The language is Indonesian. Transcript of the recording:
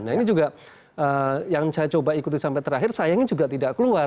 nah ini juga yang saya coba ikuti sampai terakhir sayangnya juga tidak keluar